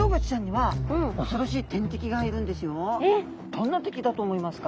どんな敵だと思いますか？